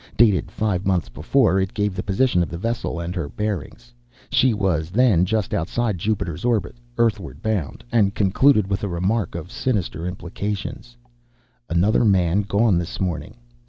Dated five months before, it gave the position of the vessel and her bearings she was then just outside Jupiter's orbit, Earthward bound and concluded with a remark of sinister implications: "Another man gone this morning.